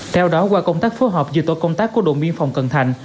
theo đó qua công tác phối hợp dự tội công tác của đội biên phòng cần thành